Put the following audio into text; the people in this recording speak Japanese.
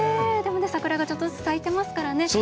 でも、桜がちょっとずつ咲いてますからね。